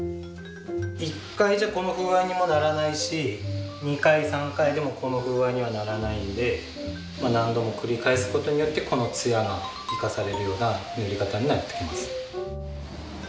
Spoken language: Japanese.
１回じゃこの風合いにもならないし２回３回でもこの風合いにはならないんで何度も繰り返すことによってこの艶が生かされるような塗り方になってきます。